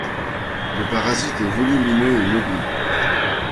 Le parasite est volumineux et mobile.